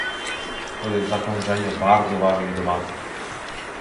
To jest zakończenie bardzo ważnej debaty